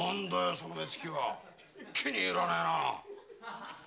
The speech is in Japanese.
その目つきは気に入らねぇな